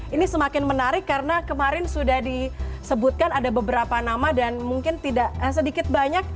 ini semakin menarik karena kemarin sudah disebutkan ada beberapa nama dan mungkin tidak sedikit banyak